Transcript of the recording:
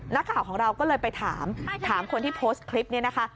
นักข่าวของเราก็เลยไปถามถามคนที่โพสต์คลิปนี้นะคะ